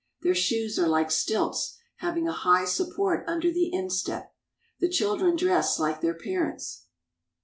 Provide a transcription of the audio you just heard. Their shoes are like stilts, having a high support under the in step. The children dress like their parents.